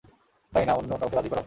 তাই, না, অন্য কাউকে রাজি করাও।